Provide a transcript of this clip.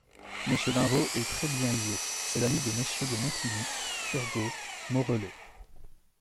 Monsieur d'Invaux est très-bien lié : c'est l'ami de MMonsieur de Montigny, Turgot, Morellet.